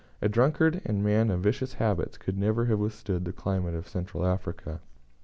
A drunkard and a man of vicious habits could never have withstood the climate of Central Africa.